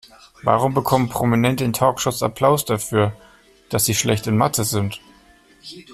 Warum bekommen Prominente in Talkshows Applaus dafür, dass sie schlecht in Mathe sind?